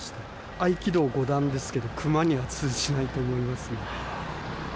合気道五段ですけど、クマには通じないと思いますね。